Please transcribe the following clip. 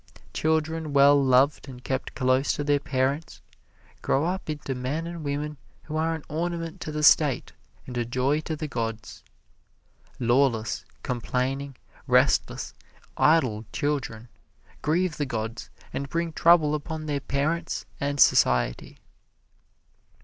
Children well loved and kept close to their parents grow up into men and women who are an ornament to the State and a joy to the gods. Lawless, complaining, restless, idle children grieve the gods and bring trouble upon their parents and society.